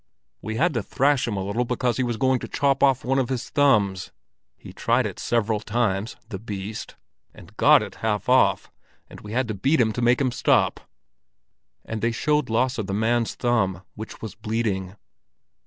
"We had to thrash him a little, because he was going to chop off one of his thumbs. He tried it several times, the beast, and got it half off; and we had to beat him to make him stop." And they showed Lasse the man's thumb, which was bleeding.